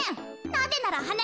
なぜならはな